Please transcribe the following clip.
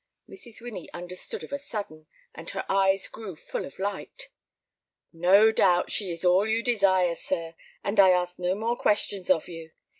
Mrs. Winnie understood of a sudden, and her eyes grew full of light. "No doubt she is all you desire, sir, and I ask no more questions of you.